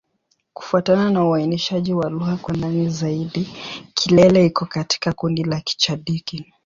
Kufuatana na uainishaji wa lugha kwa ndani zaidi, Kilele iko katika kundi la Kichadiki.